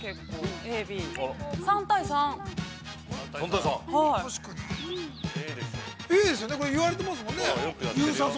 ◆Ａですよね、これ言われてますよね。